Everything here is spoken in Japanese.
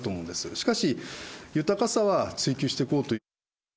しかし、豊かさは追求していこうと。